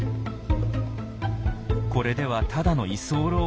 これではただの居候。